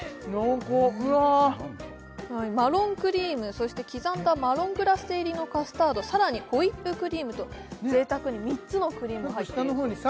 うわマロンクリームそして刻んだマロングラッセ入りのカスタードさらにホイップリームと贅沢に３つのクリームが入っているそうです